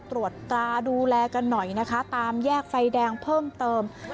ตรวจตราดูแลกันหน่อยนะคะตามแยกไฟแดงเพิ่มเติม